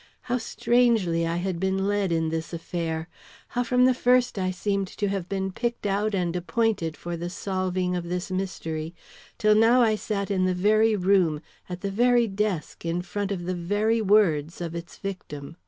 How strangely I had been led in this affair! How from the first I seemed to have been picked out and appointed for the solving of this mystery, till now I sat in the very room, at the very desk, in front of the very words, of its victim.